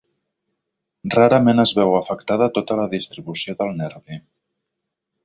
Rarament es veu afectada tota la distribució del nervi.